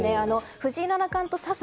藤井七冠と指す